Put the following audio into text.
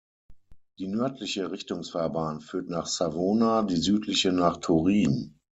Die nördliche Richtungsfahrbahn führt nach Savona, die südliche nach Turin.